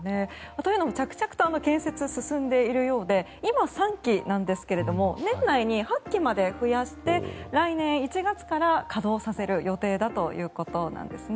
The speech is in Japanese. というのも着々と建設、進んでいるようで今、３基なんですが年内に８基まで増やして来年１月から稼働させる予定だということなんですね。